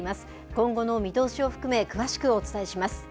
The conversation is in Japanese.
今後の見通しを含め、詳しくお伝えします。